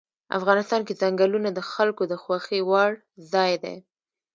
افغانستان کې ځنګلونه د خلکو د خوښې وړ ځای دی.